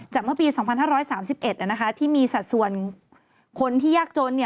เมื่อปี๒๕๓๑ที่มีสัดส่วนคนที่ยากจน